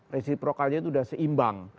resiprokalnya itu sudah seimbang